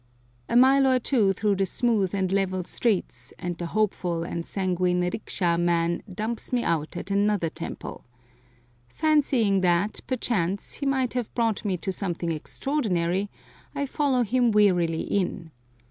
A mile or two through the smooth and level streets and the hopeful and sanguine "riksha" man dumps me out at another temple. Fancying that, perchance, he might have brought me to something extraordinary, I follow him wearily in.